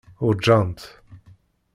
Uṛǧant.